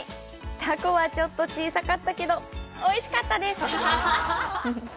タコはちょっと小さかったけど、おいしかったです。